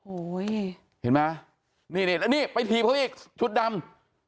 โอ้โหเห็นไหมนี่แล้วนี่ไปถีบเขาอีกชุดดำ